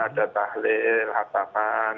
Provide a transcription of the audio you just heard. ada tahlil hasapan